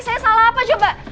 saya salah apa coba